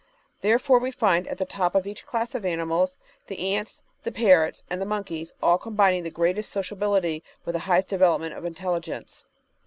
Therefore we find, at the top of each class of animals, the ants, the parrots, and the monkeys, aU combining the greatest sociability with the highest development of intelligence.